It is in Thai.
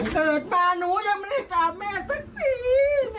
เกิดมาหนูยังไม่ได้กราบแม่สักที